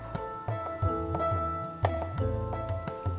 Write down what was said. kalau kamu ada waktu